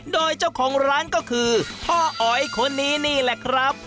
โดยเจ้าของร้านก็คือพ่ออ๋อยคนนี้นี่แหละครับ